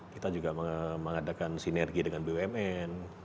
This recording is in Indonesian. kita juga mengadakan sinergi dengan bumn